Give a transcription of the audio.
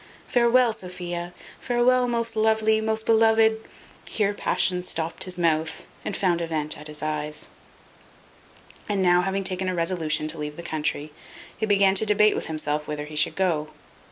Farewel, Sophia; farewel, most lovely, most beloved " Here passion stopped his mouth, and found a vent at his eyes. And now having taken a resolution to leave the country, he began to debate with himself whither he should go.